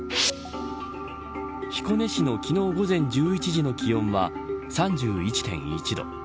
彦根市の昨日午前１１時の気温は３１．１度。